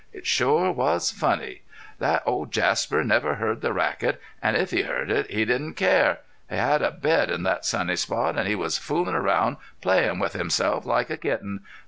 It shore was funny. Thet old Jasper never heard the racket, an' if he heard it he didn't care. He had a bed in thet sunny spot an' he was foolin' around, playin' with himself like a kitten.